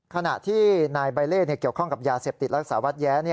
ขณะที่นายใบเล่เกี่ยวข้องกับยาเสพติดรักษาวัดแย้